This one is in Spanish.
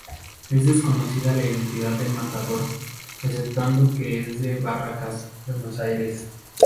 Es desconocida la identidad del Matador, exceptuando que es de Barracas, Buenos Aires.